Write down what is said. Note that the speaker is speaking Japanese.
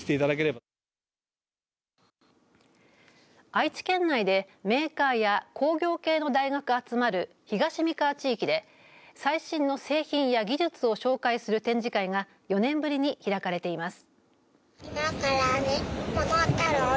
愛知県内でメーカーや工業系の大学が集まる東三河地域で最新の製品や技術を紹介する展示会が４年ぶりに開かれています。